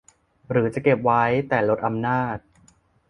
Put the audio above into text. หรือจะเก็บไว้ แต่ลดอำนาจ